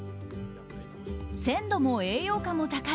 鮮度も栄養価も高い